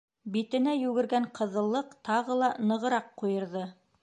Битенә йүгергән ҡыҙыллыҡ тағы ла нығыраҡ ҡуйырҙы.